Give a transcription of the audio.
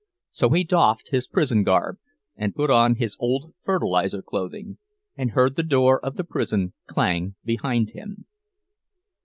So he doffed his prison garb, and put on his old fertilizer clothing, and heard the door of the prison clang behind him.